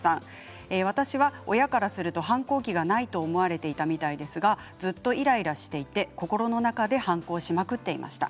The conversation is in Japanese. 私は親からすると反抗期がないと思われていたみたいですがずっとイライラしていて心の中で反抗しまくっていました。